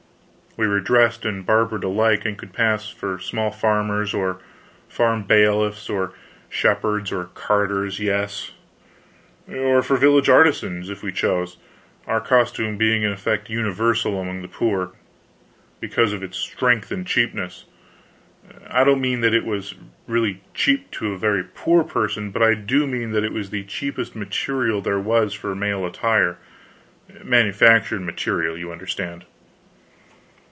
We were dressed and barbered alike, and could pass for small farmers, or farm bailiffs, or shepherds, or carters; yes, or for village artisans, if we chose, our costume being in effect universal among the poor, because of its strength and cheapness. I don't mean that it was really cheap to a very poor person, but I do mean that it was the cheapest material there was for male attire manufactured material, you understand.